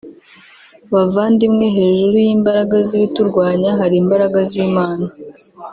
Bavandimwe hejuru y’imbaraga z’ibiturwanya hari imbaraga z’Imana